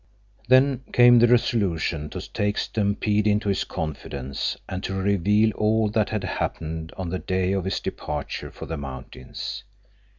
Then came the resolution to take Stampede into his confidence and to reveal all that had happened on the day of his departure for the mountains.